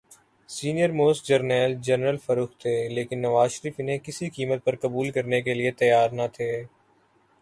Senior most جرنیل general Farrukh تھے‘ لیکن نواز شریف انہیں کسی قیمت پر قبول کرنے کیلئے تیار نہ تھے۔